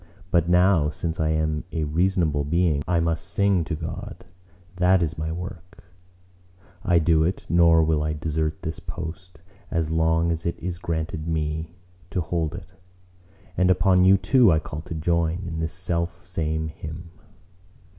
But now, since I am a reasonable being, I must sing to God: that is my work: I do it, nor will I desert this my post, as long as it is granted me to hold it; and upon you too I call to join in this self same hymn.